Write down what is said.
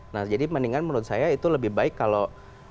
nah jadi mendingan menurut saya itu lebih baik kalau